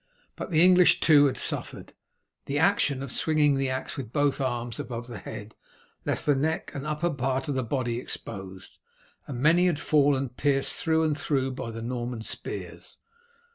But the English, too, had suffered. The action of swinging the axe with both arms above the head left the neck and upper part of the body exposed, and many had fallen pierced through and through by the Norman spears.